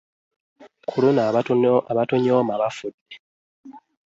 Ku luno abatunyooma bafudde!